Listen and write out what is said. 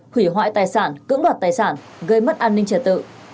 hủy hoại tài sản cưỡng đoạt tài sản gây mất an ninh trật tự